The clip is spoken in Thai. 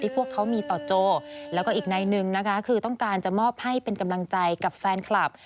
พวกเขามีต่อโจแล้วก็อีกในหนึ่งนะคะคือต้องการจะมอบให้เป็นกำลังใจกับแฟนคลับ